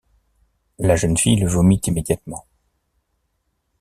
La jeune fille le vomit immédiatement.